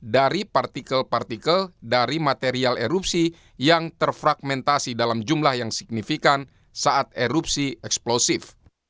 dari partikel partikel dari material erupsi yang terfragmentasi dalam jumlah yang signifikan saat erupsi eksplosif